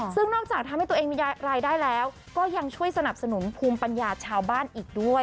ซึ่งนอกจากทำให้ตัวเองมีรายได้แล้วก็ยังช่วยสนับสนุนภูมิปัญญาชาวบ้านอีกด้วย